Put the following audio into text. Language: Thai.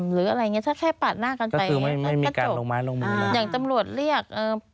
หรืออะไรอย่างนี้ถ้าแค่ปาดหน้ากันไปก็จบอย่างตำรวจเรียก